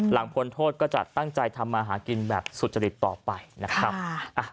พ้นโทษก็จะตั้งใจทำมาหากินแบบสุจริตต่อไปนะครับ